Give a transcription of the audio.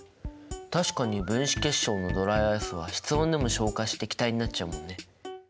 確かに分子結晶のドライアイスは室温でも昇華して気体になっちゃうもんね。